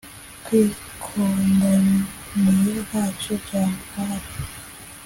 twikundaniye ntacyo byantwara”